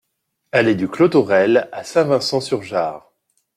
Allée du Clos Thorel à Saint-Vincent-sur-Jard